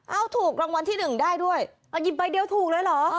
ถูกรางวัลที่หนึ่งได้ด้วยเอาหยิบใบเดียวถูกเลยเหรอ